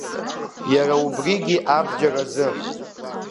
Иара убригьы абџьар азы.